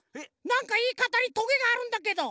なんかいいかたにとげがあるんだけど。